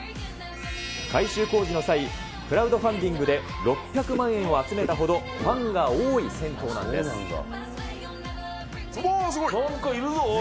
改修工事の際、クラウドファンディングで６００万円を集めたほど、なんかいるぞ、おい。